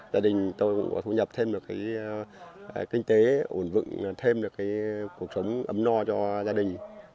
gia đình tôi cũng có thu nhập thêm được kinh tế ổn định thêm được cái cuộc sống ấm no cho gia đình